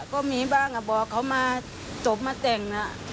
ก็มีบ้างบอกเขามาจบมาแต่งนะ